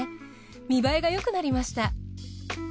見栄えがよくなりました。